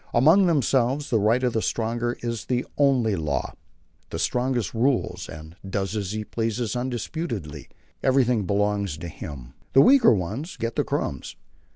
Among themselves the right of the stronger is the only law. The strongest rules, and does as he pleases undisputedly; everything belongs to him. The weaker ones get the crumbs.